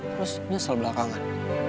terus nyesel belakangan